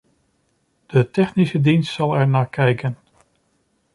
De technische dienst zal ernaar kijken.